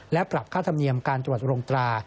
และปรับค่าธรรมเนียมการตรวจโรงตรา